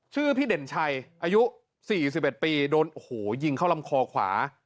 ชื่อพี่เด่นชัยอายุ๔๑ปีโดนโอ้โหยิงเข้าลำคอขวา